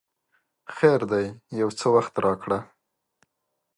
خیر دی یو څه وخت راکړه!